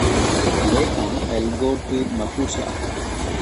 Later on I will go to Mapusa.